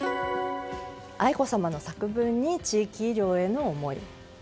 愛子さまの作文に地域医療への思い。